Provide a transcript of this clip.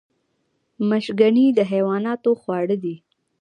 مشګڼې د حیواناتو خواړه دي